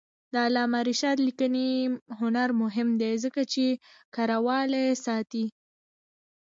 د علامه رشاد لیکنی هنر مهم دی ځکه چې کرهوالي ساتي.